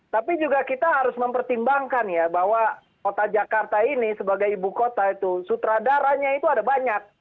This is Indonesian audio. tapi juga kita harus mempertimbangkan ya bahwa kota jakarta ini sebagai ibu kota itu sutradaranya itu ada banyak